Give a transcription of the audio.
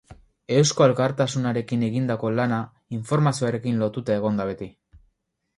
Eusko Alkartasunarekin egindako lana informazioarekin lotuta egon da beti.